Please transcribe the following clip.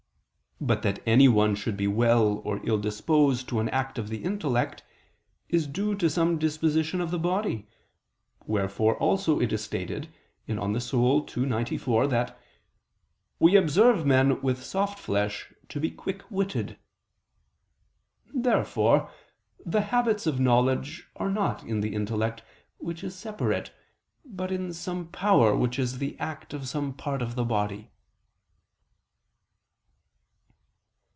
But that anyone should be well or ill disposed to an act of the intellect is due to some disposition of the body: wherefore also it is stated (De Anima ii, text. 94) that "we observe men with soft flesh to be quick witted." Therefore the habits of knowledge are not in the intellect, which is separate, but in some power which is the act of some part of the body.